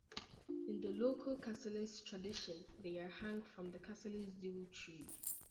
In the local Cassilis tradition, they are hung from the Cassilis Dule Tree.